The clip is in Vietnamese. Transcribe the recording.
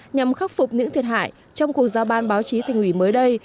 nhằm khắc phục những thiệt hại trong cuộc giao ban báo chí thành ủy mới đây